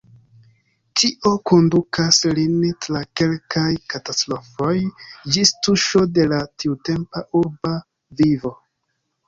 Tio kondukas lin tra kelkaj katastrofoj, ĝis tuŝo de la tiutempa urba vivo.